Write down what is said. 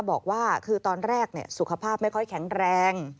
บอกว่าคือตอนแรกสุขภาพไม่ค่อยแข็งแรง